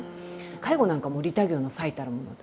介護なんかもう利他行の最たるもの。